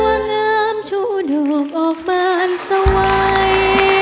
ว่างามชูนวบออกบ้านสวัย